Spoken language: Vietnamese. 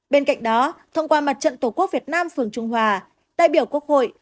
bên cạnh đó thông qua mặt trận tổ quốc việt nam phường trung hòa đại biểu quốc hội